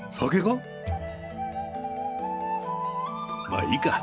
まあいいか。